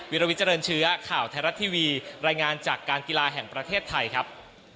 ลวิเจริญเชื้อข่าวไทยรัฐทีวีรายงานจากการกีฬาแห่งประเทศไทยครับ